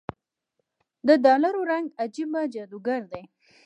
دډالرو رنګ عجيبه جادوګر دی